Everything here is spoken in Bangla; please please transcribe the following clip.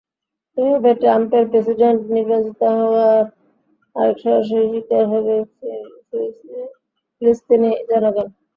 এভাবে ট্রাম্পের প্রেসিডেন্ট নির্বাচিত হওয়ার আরেক সরাসরি শিকার হবে ফিলিস্তিনি জনগণ।